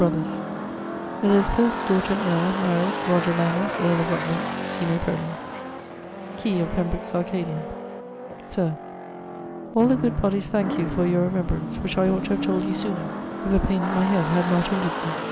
brothers. | Elizabeth, daughter m. Roger Manners, earl and heir | of Rutland. | sine prole. Key of Pembroke's Arcadia[BZ]. Sir, All the good bodies thanke you for your remembrance, which I ought to have told you sooner if a paine in my head had not hinderd me.